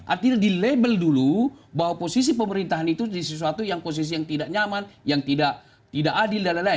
artinya dilabel dulu bahwa posisi pemerintahan itu di sesuatu yang posisi yang tidak nyaman yang tidak adil dll